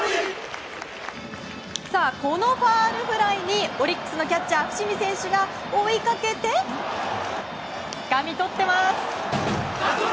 このファウルフライにオリックスのキャッチャー伏見選手が追いかけて、つかみとってます！